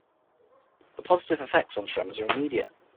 The positive effects on tremors are immediate.